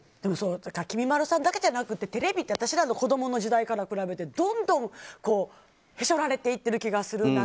きみまろさんだけじゃなくてテレビって私らの子供の時代から比べてどんどん、はしょられていってる気がする。